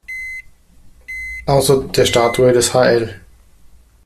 Außer der Statue des hl.